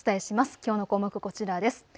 きょうの項目こちらです。